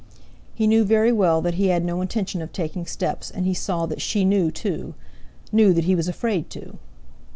He knew very well that he had no intention of taking steps, and he saw that she knew too—knew that he was afraid to.